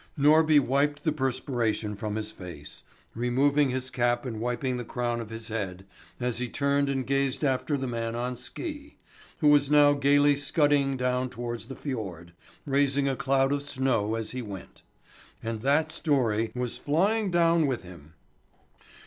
Norby wiped the perspiration from his face, removing his cap and wiping the crown of his head, as he turned and gazed after the man on ski, who was now gaily scudding down towards the fjord, raising a cloud of snow as he went. And that story was flying down with him!